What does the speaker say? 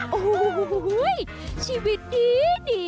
โอ้โหโหโหชีวิตดี